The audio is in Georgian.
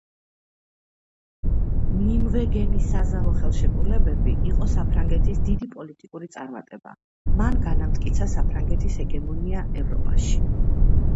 ნიმვეგენის საზავო ხელშეკრულებები იყო საფრანგეთის დიდი პოლიტიკური წარმატება, მან განამტკიცა საფრანგეთის ჰეგემონია ევროპაში.